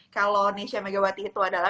kalau nesya megawati itu adalah